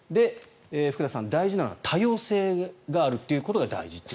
福田さん、大事なのは多様性があるということが大事という。